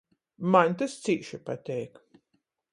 Maņ tys cīši pateik!